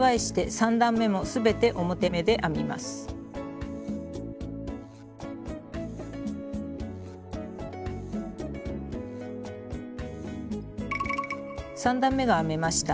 ３段めが編めました。